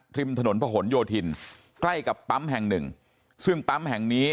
ริมถนนพระหลโยธินใกล้กับปั๊มแห่งหนึ่งซึ่งปั๊มแห่งนี้